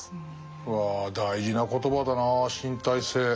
うわ大事な言葉だな「身体性」。